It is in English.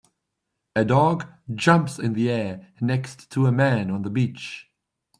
A dog jumps in the air next to a man on the beach.